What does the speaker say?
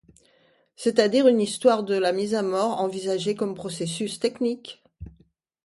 C'est-à-dire une histoire de la mise à mort envisagée comme processus technique.